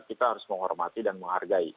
kita harus menghormati dan menghargai